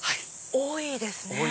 多いですね。